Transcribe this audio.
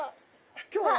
今日は？